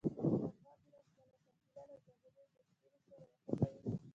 که افغان ملت خپله قافله له زماني جرسونو سره وخوځوي.